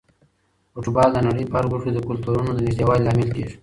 فوټبال د نړۍ په هر ګوټ کې د کلتورونو د نږدېوالي لامل کیږي.